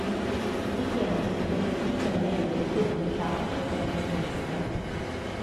Ritiene di poter esprimere meglio le sue qualità giocando a sinistra.